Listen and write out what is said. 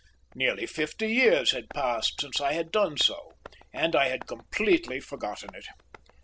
Nearly fifty years had passed since I had done so, and I had completely forgotten it.